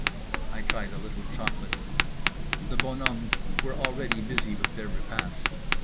I tried a little chocolate. The bonhommes were already busy with their repast.